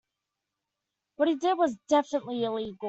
What he did was definitively illegal.